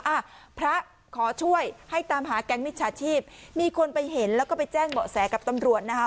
อ่ะพระขอช่วยให้ตามหาแก๊งมิจฉาชีพมีคนไปเห็นแล้วก็ไปแจ้งเบาะแสกับตำรวจนะคะ